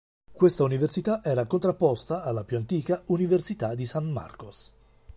Questa università era contrapposta alla più antica Università di San Marcos.